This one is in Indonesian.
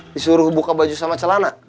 disuruh buka baju sama celana